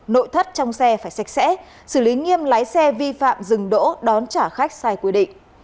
nội thất trong xe phải sạch sẽ xử lý nghiêm lái xe vi phạm dừng đỗ đón trả khách sai quy định